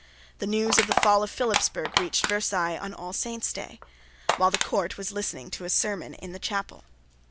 The news of the fall of Philipsburg reached Versailles on All Saints day, while the Court was listening to a sermon in the chapel.